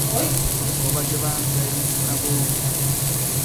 Je považován za její "pravou ruku".